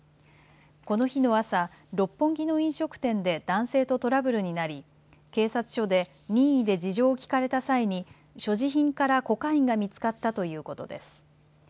この日の朝六本木の飲食店で男性とトラブルになり警察署で任意で事情を聴かれた際に所持品からコカインが見つかったということです。